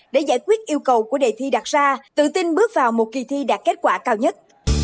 để giải quyết yêu cầu của đề thi đặt ra tự tin bước vào một kỳ thi đạt kết quả cao nhất